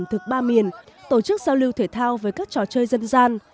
tổ chức ba miền tổ chức giao lưu thể thao với các trò chơi dân gian